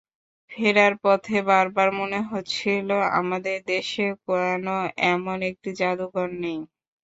ফেরার পথে বারবার মনে হয়েছিল, আমাদের দেশে কেন এমন একটি জাদুঘর নেই।